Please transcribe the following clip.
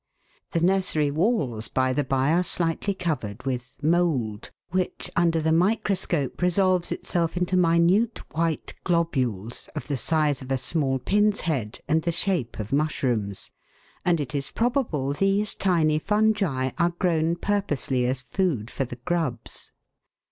The nursery walls, by the bye, are slightly covered with "mould/' which under the microscope resolves itself into minute white globules, of the size of a small pin's head, and the shape of mushrooms ; and it is probable these tiny fungi are grown purposely as food for the grubs.